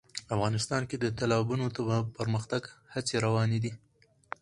افغانستان کې د تالابونه د پرمختګ هڅې روانې دي.